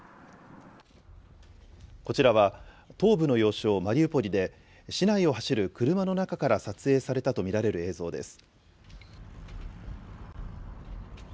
こちらは東部の要衝マリウポリで、市内を走る車の中から撮影されたと見られる映像です。